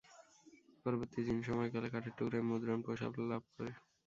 পরবর্তী জিন সময়কালে কাঠের টুকরায় মুদ্রণ প্রসার লাভ করে।